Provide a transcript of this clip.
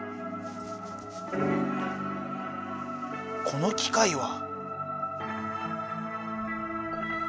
この機械は。